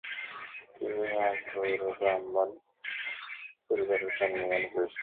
তিনি এক গৌড় ব্রাহ্মণ পরিবারে জন্মগ্রহণ করেছিলেন।